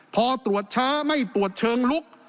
พอตรวจช้าไม่ตรวจเชิงลุก